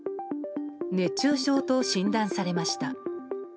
熱中症と診断されました。